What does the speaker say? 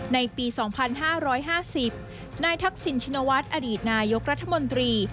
ในปี๒๕๕๐นายทักษิณชินวัฒน์อดีตนายกรัฐมนตรี